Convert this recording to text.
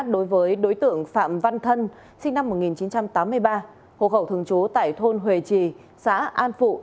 đối với đối tượng phạm văn thân sinh năm một nghìn chín trăm tám mươi ba hồ khẩu thường chú tại thôn huề trì xã an phụ